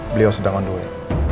beliau sedang onduin